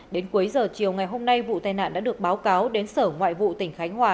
đến cuối giờ chiều ngày hôm nay vụ tai nạn đã được báo cáo đến sở ngoại vụ tỉnh khánh hòa